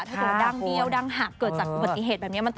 ถ้าโดนดังเปี่ยวดังหักเกิดจากปฏิเหตุแบบนี้